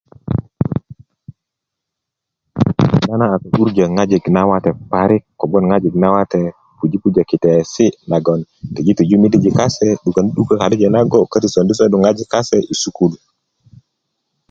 ŋo na 'durjá ŋojik nawate parik kobgon ŋojik nawate pujipuji kitasi nagon tijitiju midijin kase dugidugä kadijin nago ko sondi sondu ŋojik kase i sukulu